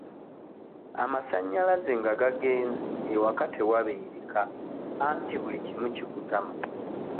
Amasannyalanze nga gaagenze ewaka tewabeereka anti buli kimu kikutama.